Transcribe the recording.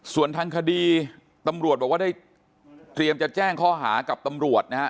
ส่วนทางคดีตำรวจบอกว่าได้เตรียมจะแจ้งข้อหากับตำรวจนะฮะ